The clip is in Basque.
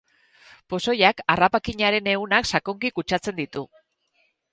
Pozoiak harrapakinaren ehunak sakonki kutsatzen ditu.